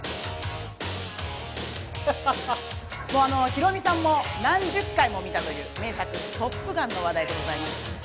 ヒロミさんも何十回も見たという名作、『トップガン』の話題です。